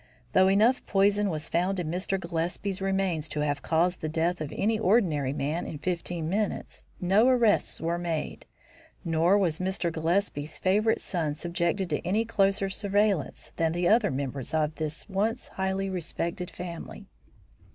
Though enough poison was found in Mr. Gillespie's remains to have caused the death of any ordinary man in fifteen minutes, no arrests were made, nor was Mr. Gillespie's favourite son subjected to any closer surveillance than the other members of this once highly respected family.